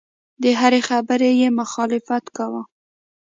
د هرې خبرې یې مخالفت کاوه.